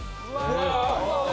うわ！